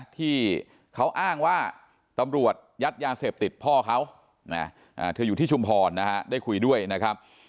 ที่เขาอ้างว่าตำรวจยัดยาเสพติดพ่อเขาเธออยู่ที่ชุมพรนะฮะได้คุยด้วยนะครับ